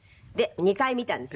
２回見たんです。